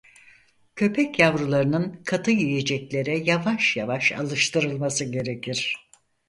Köpek yavrularının katı yiyeceklere yavaş yavaş alıştırılması gerekir.